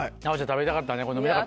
食べたかったです。